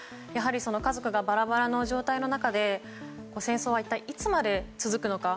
家族がバラバラの状態の中で戦争はいつまで続くのか。